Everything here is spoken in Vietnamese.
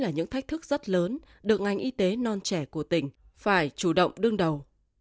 là những thách thức rất lớn được ngành y tế non trẻ của tỉnh phải chủ động đương đầu